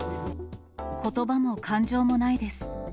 ことばも感情もないです。